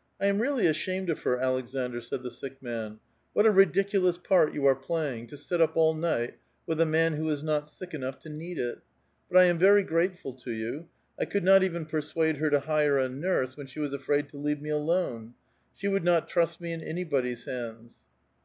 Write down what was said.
*' I am really ashamed of her, Aleksandr," said the sick man ;'' what a ridiculous part you are playing, to sit up all night with a man who is not sick enough to nood it. But I am very grateful to you. I could not even persuade her to hire a nurse, when she was afraid to leave me alone ; she would not trust me in anybody's hands."